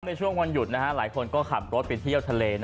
ในช่วงวันหยุดหลายคนก็ขับรถไปเที่ยวทะเล